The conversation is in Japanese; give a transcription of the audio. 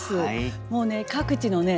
もうね各地のね